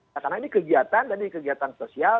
karena ini kegiatan kegiatan sosial